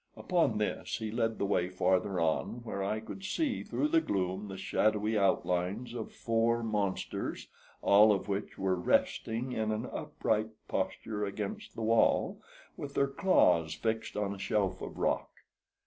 Upon this he led the way farther on, where I could see through the gloom the shadowy outlines of four monsters, all of which were resting in an upright posture against the wall, with their claws fixed on a shelf of rock.